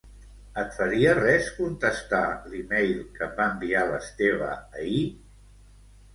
Et faria res contestar l'e-mail que em va enviar l'Esteve ahir?